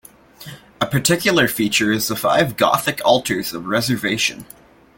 A particular feature is the five Gothic altars of reservation.